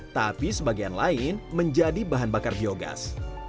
tapi sebagian lain menjadi bahan bakar biogas